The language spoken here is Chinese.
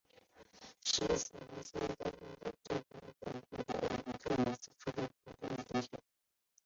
持斧罗摩池桥位于印度最东北部的鲁西特河出山口处的一座桥。